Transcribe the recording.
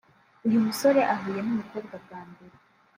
Iyo umusore ahuye n’umukobwa bwa mbere